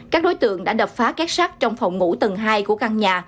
các đối tượng đã đập phá két sát trong phòng ngủ tầng hai của căn nhà